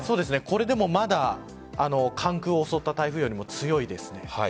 これでもまだ関空を襲った台風よりも強いですね。